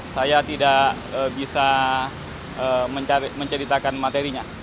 saya tidak bisa menceritakan materinya